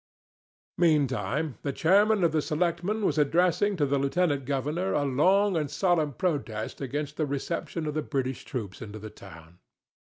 Meantime, the chairman of the selectmen was addressing to the lieutenant governor a long and solemn protest against the reception of the British troops into the town.